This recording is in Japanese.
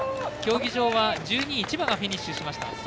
競技場は１２位、千葉がフィニッシュしました。